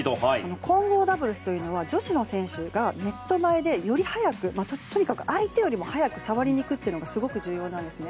混合ダブルスというのは女子の選手がネット前でより早くとにかく相手よりも早く触りに行くというのがすごく重要なんですね。